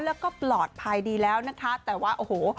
แล้วก็ปลอดภัยดีแล้วนะคะแต่ว่าโอ้โห